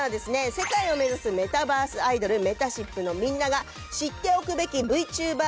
世界を目指すメタバースアイドルめたしっぷのみんなが知っておくべきＶＴｕｂｅｒ